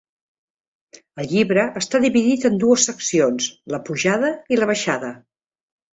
El llibre està dividit en dues seccions: la pujada i la baixada.